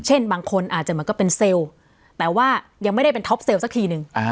บางคนอาจจะเหมือนก็เป็นเซลล์แต่ว่ายังไม่ได้เป็นท็อปเซลล์สักทีนึง